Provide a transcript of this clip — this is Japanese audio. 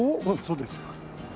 そうですよ。